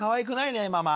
ねえママ。